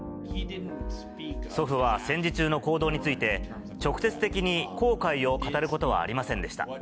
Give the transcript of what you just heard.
祖父は戦時中の行動について、直接的に後悔を語ることはありませんでした。